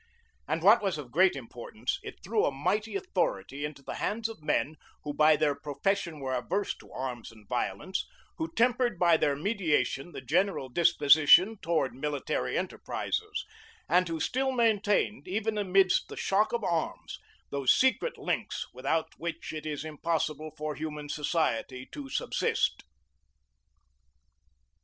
And what was of great importance, it threw a mighty authority into the hands of men, who by their profession were averse to arms and violence, who tempered by their mediation the general disposition towards military enterprises; and who still maintained, even amidst the shock of arms, those secret links, without which it is impossible for human society to subsist.